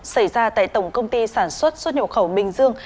xảy ra tại tổng công ty sản xuất xuất nhập khẩu bình dương